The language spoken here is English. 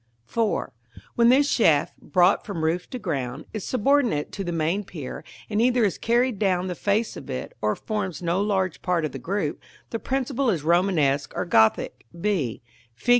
§ IV. When this shaft, brought from roof to ground, is subordinate to the main pier, and either is carried down the face of it, or forms no large part of the group, the principle is Romanesque or Gothic, b, Fig.